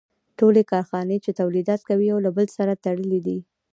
ټولې کارخانې چې تولیدات کوي یو له بل سره تړلي دي